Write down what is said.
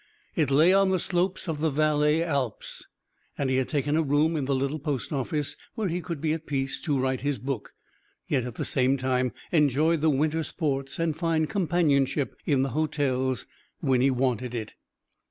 It lay on the slopes of the Valais Alps, and he had taken a room in the little post office, where he could be at peace to write his book, yet at the same time enjoy the winter sports and find companionship in the hotels when he wanted it.